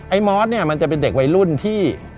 มอสเนี่ยมันจะเป็นเด็กวัยรุ่นที่